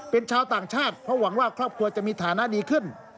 เป็นชาวต่างชาติเพราะหวังว่าครอบครัวจะมีฐานะดีขึ้น